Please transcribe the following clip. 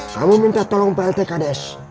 kamu minta tolong plt kds